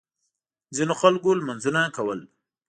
ځینو خلکو لمونځونه کول.